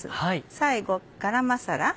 最後ガラムマサラ。